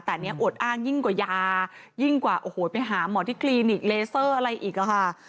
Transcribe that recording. แต่อันนี้อดอ้างยิ่งกว่ายายิ่งกว่าโอ้โหไปหาหมอที่คลินิกเลเซอร์อะไรอีกอะค่ะ